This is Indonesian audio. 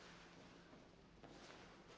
gak ada apa apa